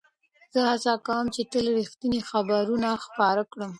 زه هڅه کوم چې تل رښتیني خبرونه خپاره کړم.